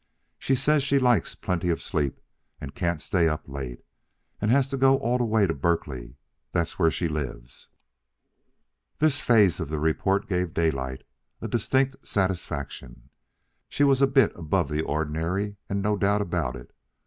Says she likes plenty of sleep, and can't stay up late, and has to go all the way to Berkeley that's where she lives." This phase of the report gave Daylight a distinct satisfaction. She was a bit above the ordinary, and no doubt about it.